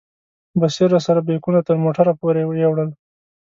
بصیر راسره بیکونه تر موټره پورې یوړل.